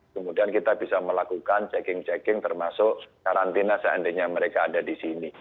kemudian kita bisa melakukan checking checking termasuk karantina seandainya mereka ada di sini